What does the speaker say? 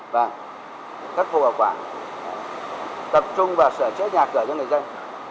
và khắc phục hậu quả tập trung vào sửa chế nhà cửa cho người dân